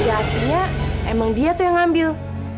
akhirnya emang dia tuh yang ngambil